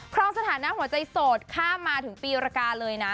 รองสถานะหัวใจโสดข้ามมาถึงปีรกาเลยนะ